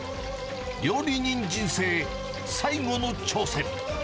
料理人人生最後の挑戦。